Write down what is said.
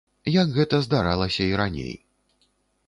Як гэта здаралася і раней.